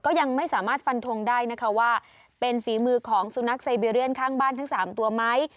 ยังไม่สามารถฟันทงได้นะคะว่าเป็นฝีมือของสุนัขไซเบเรียนข้างบ้านทั้ง๓ตัวไหม